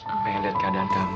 aku pengen lihat keadaan kamu